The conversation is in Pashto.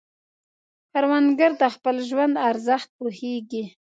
کروندګر د خپل ژوند ارزښت پوهیږي